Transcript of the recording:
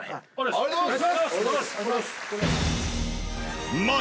ありがとうございます！